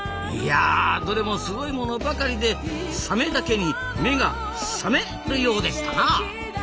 いやどれもすごいものばかりでサメだけに目がサメるようでしたなあ。